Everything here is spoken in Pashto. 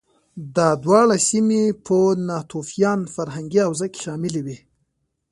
دا دواړه سیمې په ناتوفیان فرهنګي حوزه کې شاملې وې